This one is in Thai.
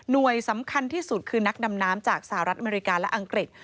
โดยสำคัญที่สุดคือนักดำน้ำจากสหรัฐอเมริกาและอังกฤษ